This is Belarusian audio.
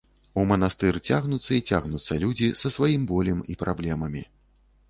У манастыр цягнуцца й цягнуцца людзі са сваім болем і праблемамі.